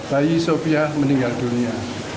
bayi sofia meninggal dunia